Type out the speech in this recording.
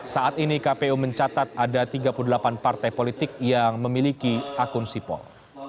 saat ini kpu mencatat ada tiga puluh delapan partai politik yang memiliki akun sipol